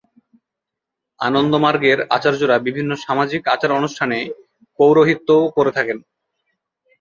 আনন্দমার্গের আচার্যরা বিভিন্ন সামাজিক আচার-অনুষ্ঠানে পৌরোহিত্যও করে থাকেন।